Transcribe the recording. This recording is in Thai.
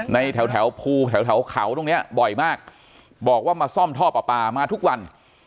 แถวภูแถวเขาตรงเนี้ยบ่อยมากบอกว่ามาซ่อมท่อปลาปลามาทุกวัน